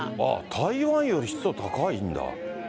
台湾より湿度高いんだ。